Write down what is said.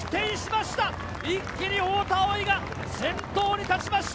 一気に太田蒼生が先頭に立ちました。